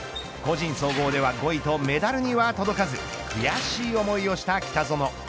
個人総合では５位とメダルには届かず悔しい思いをした北園。